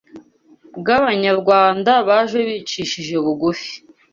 bw’Abanyarwanda baje bicishije bugufi